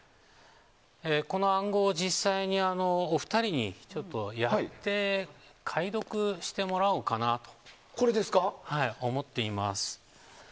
この暗号、実際にお二人に解読してもらおうかなと思っています。